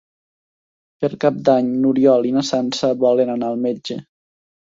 Per Cap d'Any n'Oriol i na Sança volen anar al metge.